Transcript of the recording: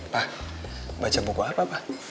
pa baca buku apa pa